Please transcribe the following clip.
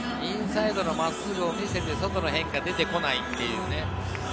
インサイドの真っすぐを見せて外の変化が出てこないっていう。